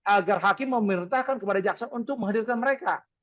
agar hakim memerintahkan kepada jaksa untuk menghadirkan mereka